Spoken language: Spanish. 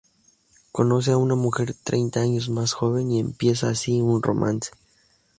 Conoce a una mujer treinta años más joven y empieza así un romance.